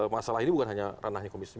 masalah ini bukan hanya ranahnya komisi tiga